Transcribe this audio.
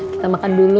kita makan dulu